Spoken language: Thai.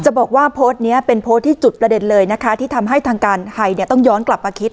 บอกว่าโพสต์นี้เป็นโพสต์ที่จุดประเด็นเลยนะคะที่ทำให้ทางการไทยเนี่ยต้องย้อนกลับมาคิด